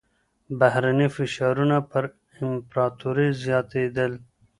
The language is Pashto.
بهرني فشارونه پر امپراتورۍ زياتېدل.